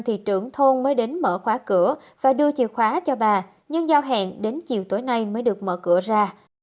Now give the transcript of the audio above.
thì trưởng thôn mới đến mở khóa cửa và đưa chìa khóa cho bà nhưng giao hẹn đến chiều tối nay mới được mở cửa ra